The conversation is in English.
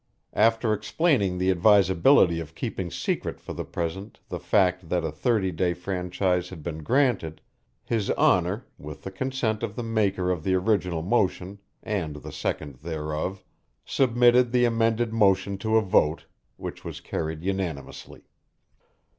After explaining the advisability of keeping secret for the present the fact that a thirty day franchise had been granted, His Honour, with the consent of the maker of the original motion and the second thereof, submitted the amended motion to a vote, which was carried unanimously.